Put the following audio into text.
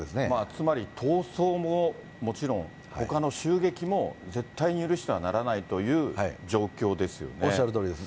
つまり逃走ももちろん、ほかの襲撃も絶対に許してはならないおっしゃるとおりです。